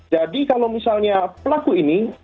kalau misalnya pelaku ini